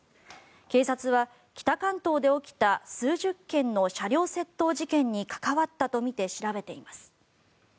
警察は北関東で起きた数十件の車両窃盗事件に関わったとみて調べています。